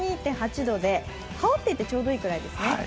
１２．８度で羽織っていて、ちょうどいいぐらいですね。